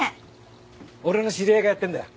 俺の知り合いがやってるんだよ。